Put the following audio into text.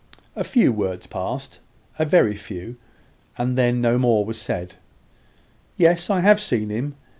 A few words passed a very few, and then no more was said. "Yes; I have seen him.